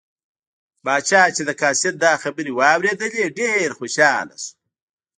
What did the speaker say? پاچا چې د قاصد دا خبرې واوریدلې ډېر خوشحاله شو.